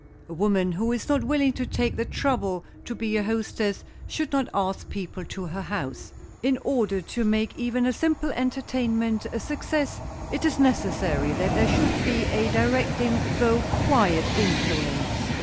A woman who is not willing to take the trouble to be a hostess should not ask people to her house. In order to make even a simple entertainment a success it is necessary that there should be a directing though quiet influence.